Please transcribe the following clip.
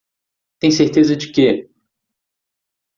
Tem certeza de que?